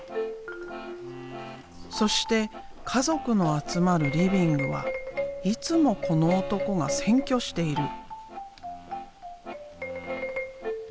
そして家族の集まるリビングはいつもこの男が占拠している。